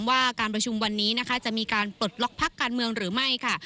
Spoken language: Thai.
ว่าการประชุมวันนี้นะคะจะมีการปลดล็อกพักการเมืองหรือไม่ค่ะ